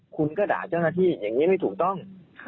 คุณก็ด่าเจ้าหน้าที่อย่างนี้ไม่ถูกต้อง